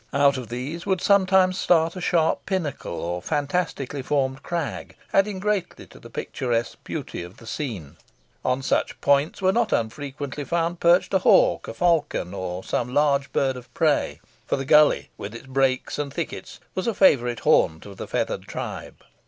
Out of these would sometimes start a sharp pinnacle, or fantastically formed crag, adding greatly to the picturesque beauty of the scene. On such points were not unfrequently found perched a hawk, a falcon, or some large bird of prey; for the gully, with its brakes and thickets, was a favourite haunt of the feathered tribe.